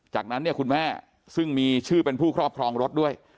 จากนั้นเนี่ยคุณแม่ซึ่งมีชื่อเป็นผู้ครอบครองรถด้วย